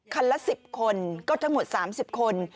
ละ๑๐คนก็ทั้งหมด๓๐คน